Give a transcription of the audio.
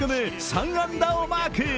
３安打をマーク。